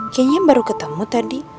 kayaknya baru ketemu tadi